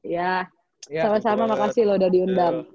ya sama sama makasih loh udah diundang